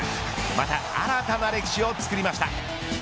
また新たな歴史をつくりました。